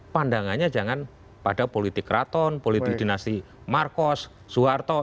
pandangannya jangan pada politik keraton politik dinasti markos soeharto